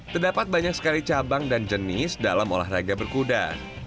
terdapat banyak sekali cabang dan jenis dalam olahraga berkuda